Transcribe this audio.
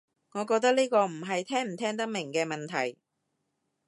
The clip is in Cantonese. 我覺得呢個唔係聽唔聽得明嘅問題